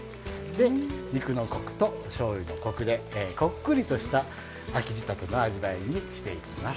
で肉のコクとしょうゆのコクでこっくりとした秋仕立ての味わいにしていきます。